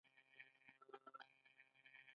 زه نه پوهېږم چې زه څوک وم او ما څه وکړل.